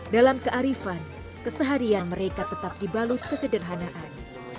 dalam kearifan keseharian mereka tetap dibalus kesederhanaan